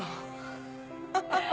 ハハハ。